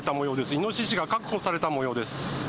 イノシシが確保されたもようです。